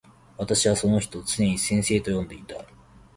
私はその人をつねに先生と呼んでいた。